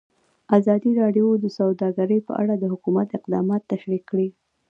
ازادي راډیو د سوداګري په اړه د حکومت اقدامات تشریح کړي.